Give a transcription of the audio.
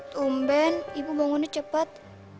tumben ibu bangunnya cepat